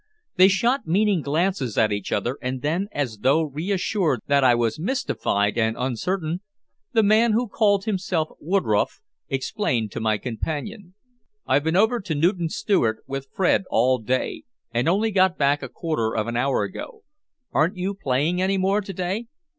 They shot meaning glances at each other, and then, as though reassured that I was mystified and uncertain, the man who called himself Woodroffe explained to my companion "I've been over to Newton Stewart with Fred all day, and only got back a quarter of an hour ago. Aren't you playing any more to day?"